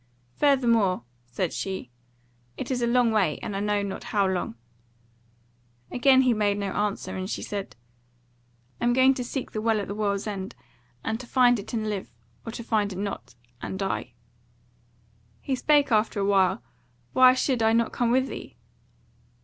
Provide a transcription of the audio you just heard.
"Furthermore," said she, "it is a long way, and I know not how long." Again he made no answer, and she said: "I am going to seek the WELL AT THE WORLD'S END, and to find it and live, or to find it not, and die." He spake after a while: "Why should I not come with thee?"